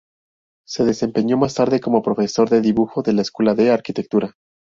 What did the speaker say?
Se desempeñó más tarde como Profesor de Dibujo de la Escuela de Arquitectura.